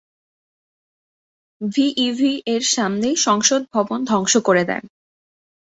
V ইভি এর সামনে সংসদ ভবন ধ্বংস করে দেন।